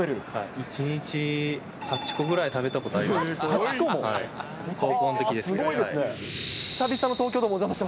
１日８個ぐらい食べたことありました。